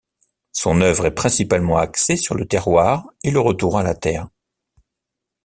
Son œuvre est principalement axée sur le terroir et le retour à la terre.